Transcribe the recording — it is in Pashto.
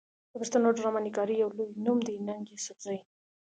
د پښتو ډرامه نګارۍ يو لوئې نوم دی ننګ يوسفزۍ